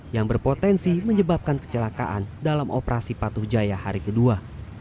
yang berpotensi menyebabkan kecelakaan dalam operasi patuh jaya hari kedua